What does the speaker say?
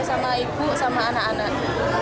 sama ibu sama anak anak